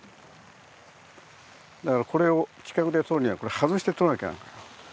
だからこれを近くで撮るには外して撮らなきゃ。